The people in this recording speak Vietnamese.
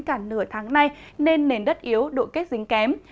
cả nửa tháng nay nên nền đất yếu độ kết dính kém